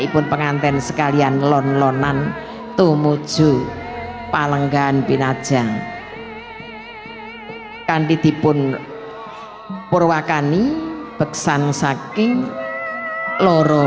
ibu pengantin sekalian lon lonan tumuju palanggan binatang kanditi pun purwakani beksan saking loro